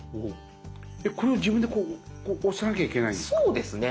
これを自分で押さなきゃいけないんですか？